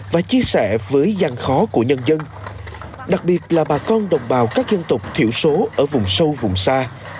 và chia sẻ với gian khó của nhân dân đặc biệt là bà con đồng bào các dân tộc thiểu số ở vùng sâu vùng xa